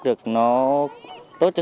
được nó tốt cho